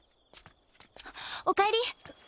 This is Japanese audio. おかえり。